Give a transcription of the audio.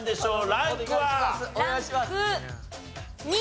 ランク２。